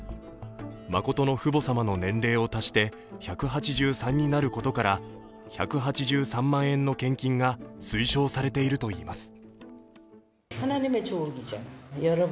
真の父母様の年齢を足して１８３になることから１８３万円の献金が推奨されているといいます。